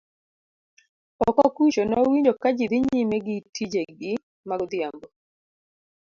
oko kucho nowinjo ka ji dhi nyime gi tije gi ma godhiambo